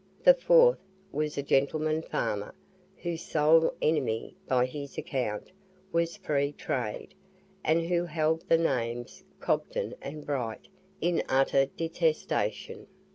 The fourth was a gentleman farmer, whose sole enemy, by his account, was Free Trade, and who held the names Cobden and Bright in utter detestation.